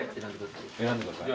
選んでください。